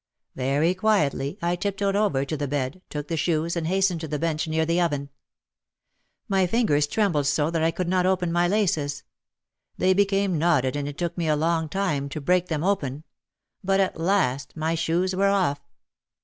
Very quietly I tiptoed over to the bed, took the shoes and hastened to the bench near the oven. My fingers trembled so, that I could not open my laces. They be came knotted and it took me a long time to break them open. But at last my shoes were off.